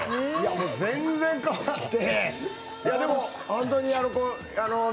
全然変わって。